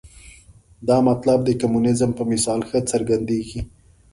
دا مطلب د کمونیزم په مثال ښه څرګندېږي.